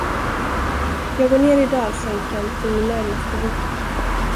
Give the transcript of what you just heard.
Jag går ned i dalsänkan till min närmaste vik.